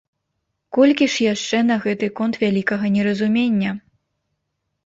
Колькі ж яшчэ на гэты конт вялікага неразумення!